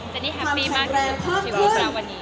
เซนนี่แฮปปี้มากในชีวิตชีวาของเราวันนี้